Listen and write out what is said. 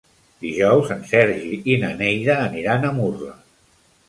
Dijous en Sergi i na Neida aniran a Murla.